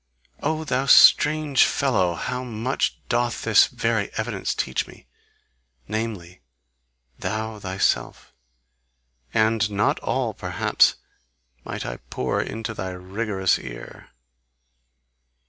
"O thou strange fellow, how much doth this very evidence teach me namely, thou thyself! And not all, perhaps, might I pour into thy rigorous ear!